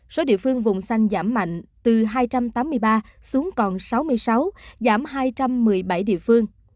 số địa phương vùng xanh giảm mạnh từ hai trăm tám mươi ba xuống còn sáu mươi sáu giảm hai trăm một mươi bảy địa phương